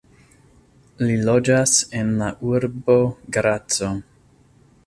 Li loĝas en la urbo Graco.